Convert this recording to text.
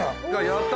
やった！